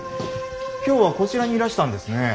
今日はこちらにいらしたんですね。